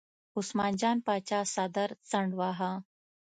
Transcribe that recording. عثمان جان پاچا څادر څنډ واهه.